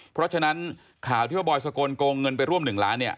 เพราะฉะนั้นข่าวที่ว่าบอยสกลโกงเงินไปร่วม๑ล้านเนี่ย